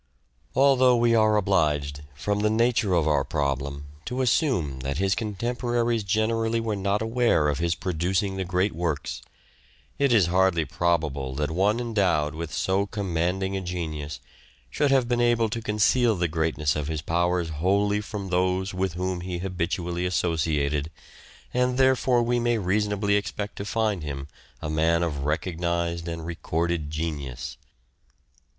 Although we are obliged, from the nature of our Of •LI j.i u • 11 nized genius, problem, to assume that his contemporanes generally and were not aware of his producing the great works, it is hardly probable that one endowed with so com manding a genius should have been able to conceal the greatness of his powers wholly from those with whom he habitually associated ; and therefore we may reasonably expect to find him a man of recognized and recorded genius.